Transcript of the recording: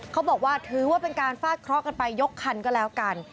ถือว่าเป็นการฟาดเคราะห์กันไปยกคันก็แล้วกัน